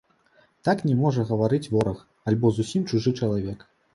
Так не можа гаварыць вораг альбо зусім чужы чалавек.